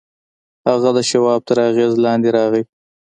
هغه د شواب تر اغېز لاندې راغی